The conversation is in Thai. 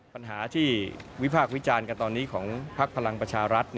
ปัญหาที่วิพากษ์วิจารณ์กันตอนนี้ของพักพลังประชารัฐ